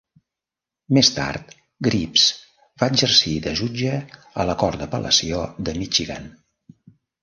Més tard, Gribbs va exercir de jutge a la Cort d'Apel·lació de Michigan.